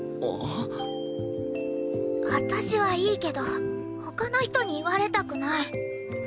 私はいいけど他の人に言われたくない。